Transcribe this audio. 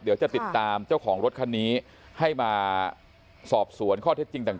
เดี๋ยวจะติดตามเจ้าของรถคันนี้ให้มาสอบสวนข้อเท็จจริงต่าง